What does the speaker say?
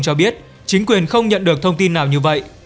cho biết chính quyền không nhận được thông tin nào như vậy